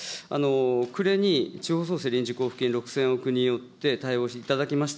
暮れに地方創生臨時交付金６０００億によって対応していただきました。